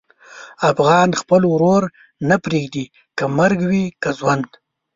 افغان خپل ورور نه پرېږدي، که مرګ وي که ژوند.